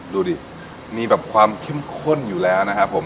ดูดิมีแบบความเข้มข้นอยู่แล้วนะครับผม